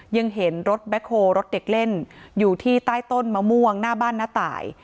ยังเห็นรถแบ็คโฮรถเด็กเล่นอยู่ที่ใต้ต้นมะม่วงหน้าบ้านน้าตาย